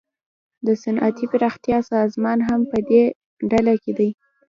د صنعتي پراختیا سازمان هم پدې ډله کې دی